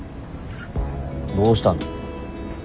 どうしたの？